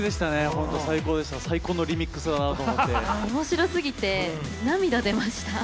ホント最高でした最高のリミックスだなと思って面白すぎて涙出ました